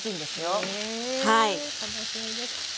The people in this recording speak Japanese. え楽しみです。